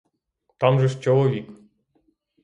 Там же ж чоловік!